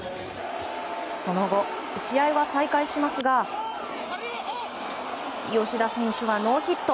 その後、試合は再開しますが吉田選手はノーヒット。